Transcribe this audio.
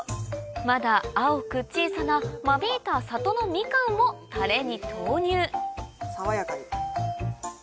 まだ青く小さな間引いた里のミカンをタレに投入爽やかに。